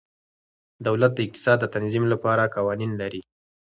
دولت د اقتصاد د تنظیم لپاره قوانین لري.